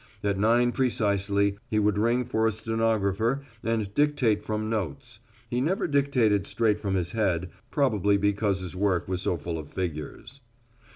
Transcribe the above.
At nine precisely he would ring for a stenographer and dictate from notes. He never dictated straight from his head, probably because his work was so full of figures.